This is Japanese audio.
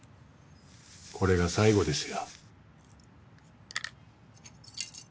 これが最後ですよ。